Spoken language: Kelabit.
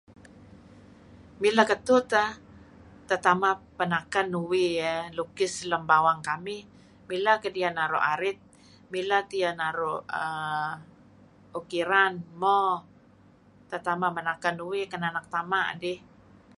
Milah ketuh teh tetamah menaken uih eh lukis lem bawang kamih mileh kediyeh naru' arit milah tiyah naru' err ukiran mo tetamah menaken uih kinanak tama' dih.